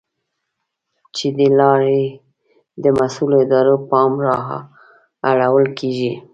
چې له دې لارې د مسؤلو ادارو پام را اړول کېږي.